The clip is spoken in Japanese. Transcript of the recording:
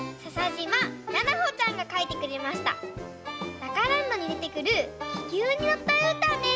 「ダカランド」にでてくるききゅうにのったうーたんです。